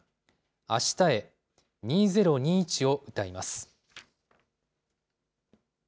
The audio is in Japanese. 明日へ２０２１を歌います。